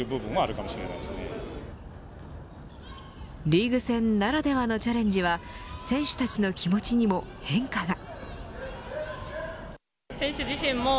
リーグ戦ならではのチャレンジは選手たちの気持ちにも変化が。